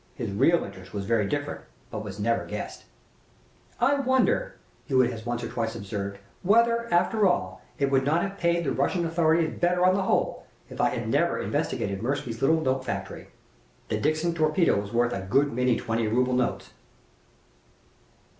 His real intent was very different, but was never guessed. "I wonder," Hewitt has once or twice observed, "whether, after all, it would not have paid the Russian authorities better on the whole if I had never investigated Mirsky's little note factory. The Dixon torpedo was worth a good many twenty ruble notes."